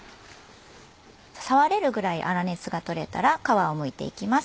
触れるぐらい粗熱が取れたら皮をむいていきます。